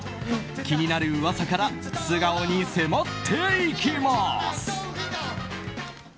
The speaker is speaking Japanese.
気になる噂から素顔に迫っていきます。